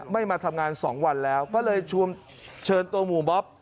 มาทำงาน๒วันแล้วก็เลยเชิญตัวหมู่บ๊อบ